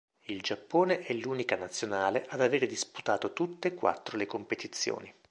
Il Giappone è l'unica nazionale ad aver disputato tutte e quattro le competizioni.